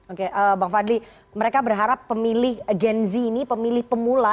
oke bang fadli mereka berharap pemilih gen z ini pemilih pemula